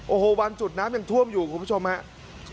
โอ้โหวันจุดน้ำยังท่วมอยู่คุณผู้ชมครับ